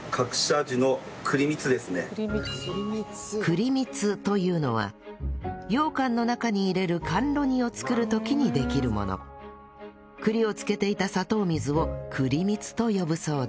栗蜜というのはようかんの中に入れる甘露煮を作る時にできるもの栗を漬けていた砂糖水を栗蜜と呼ぶそうです